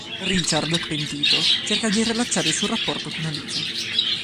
Richard, pentito, cerca di riallacciare il suo rapporto con Alice.